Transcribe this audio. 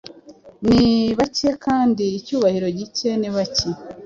Nibake, kandi icyubahiro gike ni bake